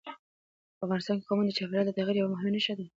په افغانستان کې قومونه د چاپېریال د تغیر یوه مهمه نښه ده.